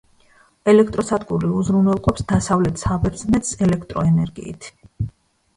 ელექტროსადგური უზრუნველყოფს დასავლეთ საბერძნეთს ელექტროენერგიით.